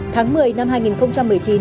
tháng một mươi năm hai nghìn một mươi chín